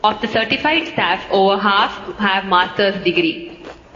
Of the certificated staff, over half have master's degrees.